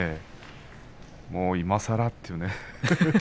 もういまさらっていうね。